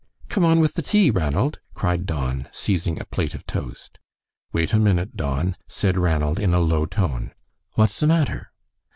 "Come on with the tea, Ranald," cried Don, seizing a plate of toast. "Wait a minute, Don," said Ranald, in a low tone. "What's the matter?"